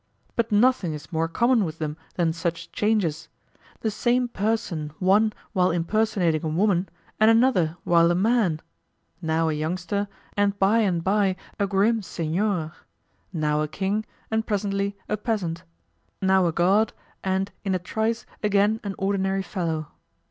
But nothing is more common with them than such changes; the same person one while impersonating a woman, and another while a man; now a youngster, and by and by a grim seignior; now a king, and presently a peasant; now a god, and in a trice again an ordinary fellow.